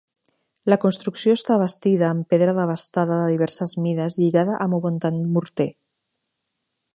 La construcció està bastida amb pedra desbastada de diverses mides lligada amb abundant morter.